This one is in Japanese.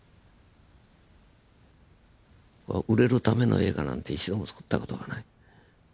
売れるための映画なんて一度もつくった事がない。